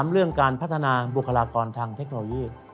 เรื่องการพัฒนาบุคลากรทางเทคโนโลยี